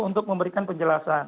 untuk memberikan penjelasan